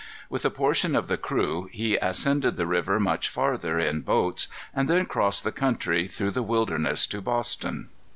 With a portion of the crew he ascended the river much farther, in boats, and then crossed the country, through the wilderness, to Boston.